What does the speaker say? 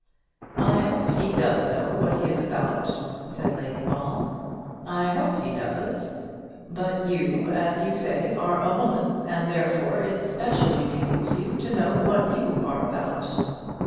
"I hope he does know what he is about," said Lady Ball. "I hope he does. But you, as you say, are a woman, and therefore it specially behoves you to know what you are about."